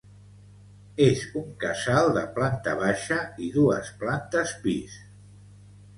És un casal de planta baixa i dues plantes pis.